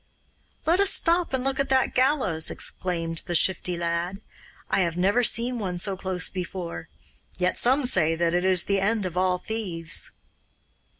'Let us stop and look at that gallows,' exclaimed the Shifty Lad. 'I have never seen one so close before. Yet some say that it is the end of all thieves.